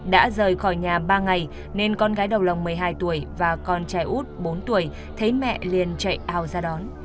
đã rời khỏi nhà ba ngày nên con gái đầu lòng một mươi hai tuổi và con trai út bốn tuổi thấy mẹ liền chạy ao ra đón